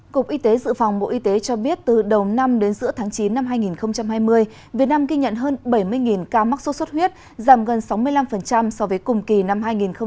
cục y tế dự phòng bộ y tế cho biết từ đầu năm đến giữa tháng chín năm hai nghìn hai mươi việt nam ghi nhận hơn bảy mươi ca mắc sốt xuất huyết giảm gần sáu mươi năm so với cùng kỳ năm hai nghìn một mươi chín